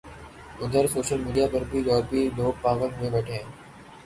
ادھر social media پر بھی یورپی لوگ پاغل ہوئے بیٹھے ہیں